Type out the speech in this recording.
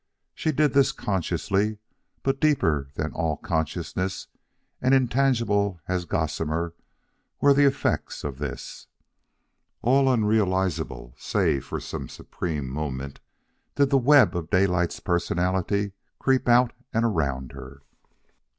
She did this consciously, but deeper than all consciousness, and intangible as gossamer, were the effects of this. All unrealizable, save for some supreme moment, did the web of Daylight's personality creep out and around her.